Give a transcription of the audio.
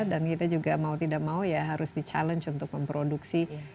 dan kita juga mau tidak mau ya harus di challenge untuk memproduksi